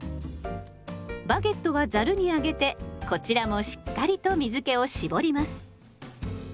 バゲットはざるに上げてこちらもしっかりと水けを絞ります。